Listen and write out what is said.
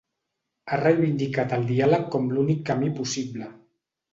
Ha reivindicat el diàleg com l’únic camí possible.